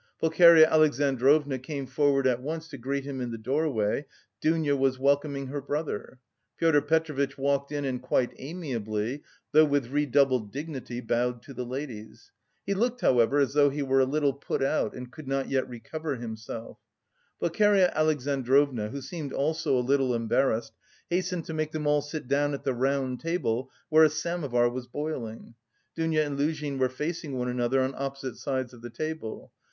Pulcheria Alexandrovna came forward at once to greet him in the doorway, Dounia was welcoming her brother. Pyotr Petrovitch walked in and quite amiably, though with redoubled dignity, bowed to the ladies. He looked, however, as though he were a little put out and could not yet recover himself. Pulcheria Alexandrovna, who seemed also a little embarrassed, hastened to make them all sit down at the round table where a samovar was boiling. Dounia and Luzhin were facing one another on opposite sides of the table.